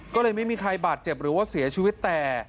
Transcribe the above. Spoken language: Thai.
ก็เลยไม่มีใครบาดเจ็บหรือว่าเสียชีวิตแต่